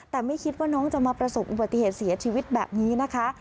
แต่ไม่คิดว่าน้องจะมาประสบอุบัติเหตุเสียชีวิตแบบนี้นะคะ